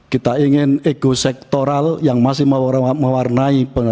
kita ingin ego sektoral yang masih mewarnai